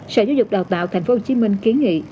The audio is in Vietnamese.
sở giáo dục đào tạo thành phố hồ chí minh kiến nghị